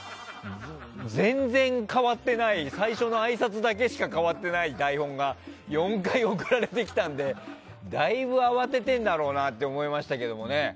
全然変わってない最初のあいさつだけしか変わってない台本が４回送られてきたのでだいぶ慌ててるんだろうなって思いましたけどね。